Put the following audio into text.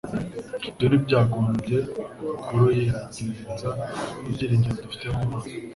ibyo ntibyagombye kuruyeganyeza ibyiringiro dufite mu Mana,